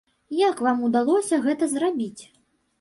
Як вам удалося гэта зрабіць?